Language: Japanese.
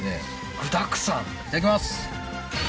具だくさんいただきます！